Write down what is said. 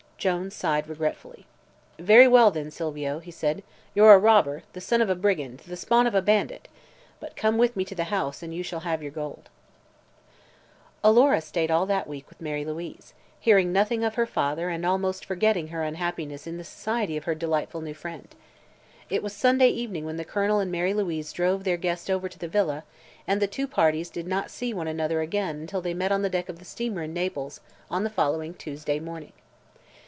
Jones sighed regretfully. "Very well, then, Silvio," he said. "You're a robber the son of a brigand the spawn of a bandit! But come with me to the house, and you shall have your gold." Alora stayed all that week with Mary Louise, hearing nothing of her father and almost forgetting her unhappiness in the society of her delightful new friend. It was Sunday evening when the Colonel and Mary Louise drove their guest over to the villa and the two parties did not see one another again until they met on the deck of the steamer in Naples on the following Tuesday morning.